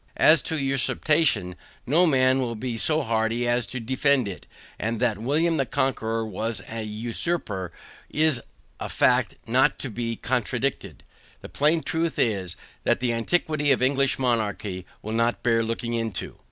As to usurpation, no man will be so hardy as to defend it; and that William the Conqueror was an usurper is a fact not to be contradicted. The plain truth is, that the antiquity of English monarchy will not bear looking into.